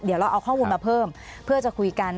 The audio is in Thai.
เดี๋ยวเราเอาข้อมูลมาเพิ่มเพื่อจะคุยกัน